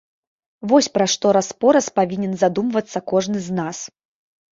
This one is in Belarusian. Вось пра што раз-пораз павінен задумвацца кожны з нас.